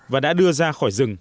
và đã đưa ra khỏi rừng